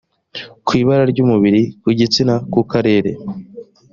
ku ibara ry umubiri ku gitsina ku karere